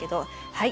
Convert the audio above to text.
はい。